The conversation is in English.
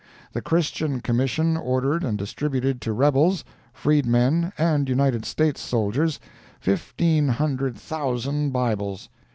The Christian Commission ordered and distributed to rebels, freedmen and United States soldiers, fifteen hundred thousand Bibles!